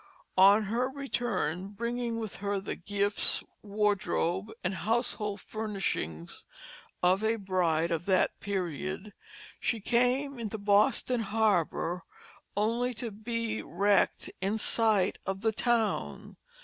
On her return, bringing with her the gifts, wardrobe, and household furnishings of a bride of that period, she came into Boston harbor only to be wrecked in sight of the town.